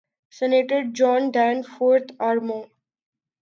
senator John Danforth آر مو